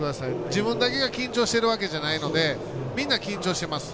自分だけが緊張してるわけじゃないのでみんな緊張します。